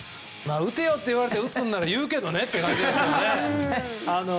打てよって言われて打つんだったら言うけどねっていう感じですけどね。